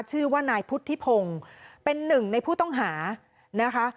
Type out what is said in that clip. ชื่อว่านายพุทธิพงศ์เป็นหนึ่งในผู้ต้องหานะคะ